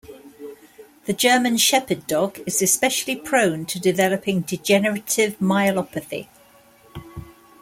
The German Shepherd Dog is especially prone to developing degenerative myelopathy.